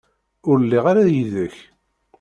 Ur lliɣ ara yid-k.